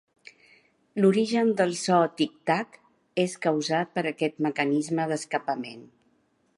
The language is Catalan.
L'origen del so "tic tac" és causat per aquest mecanisme d'escapament.